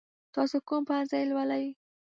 تاسو کوم پوهنځی لولئ؟